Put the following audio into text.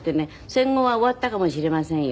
戦後は終わったかもしれませんよ。